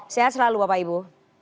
sehat selalu bapak ibu